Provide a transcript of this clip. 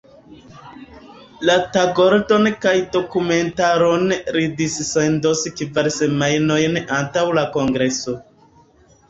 La tagordon kaj dokumentaron li dissendos kvar semajnojn antaŭ la kongreso.